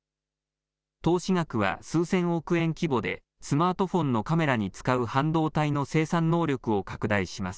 投資額は数千億円規模で、スマートフォンのカメラに使う半導体の生産能力を拡大します。